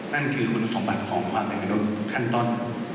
นั่นคือคุณสมบัติของความเป็นมนุษย์ขั้นต้น